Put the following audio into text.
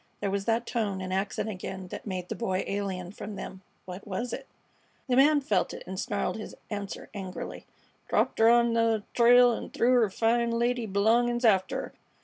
There was that tone and accent again that made the Boy alien from them. What was it? The man felt it and snarled his answer angrily. "Dropped 'er on th' trail, an' threw her fine lady b'longin's after 'er.